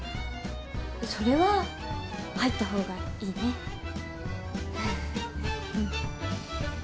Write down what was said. それは入った方がいいねうん。